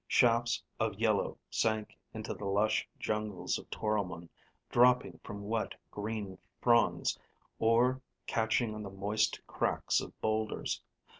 Shafts of yellow sank into the lush jungles of Toromon, dropping from wet, green fronds, or catching on the moist cracks of boulders.